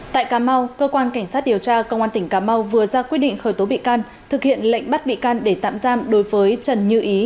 tại cà mau cơ quan cảnh sát điều tra công an tỉnh cà mau vừa ra quyết định khởi tố bị can thực hiện lệnh bắt bị can để tạm giam đối với trần như ý